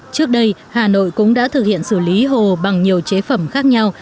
trước đây hà nội cũng đã thực hiện xử lý hồ bằng nhiều chế phẩm khác nhau